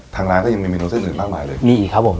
ทางร้านก็ยังมีเมนูเส้นอื่นมากมายเลยมีอีกครับผม